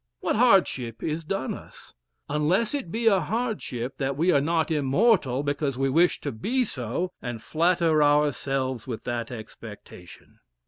What hardship is done us? Unless it be a hardship, that we are not immortal because we wish to be so, and flatter ourselves with that expectation.